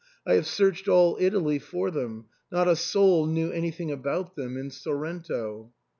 " I have searched all Italy for them ; not a soul knew anything about them in Sorrento."